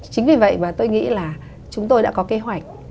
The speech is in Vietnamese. chính vì vậy mà tôi nghĩ là chúng tôi đã có kế hoạch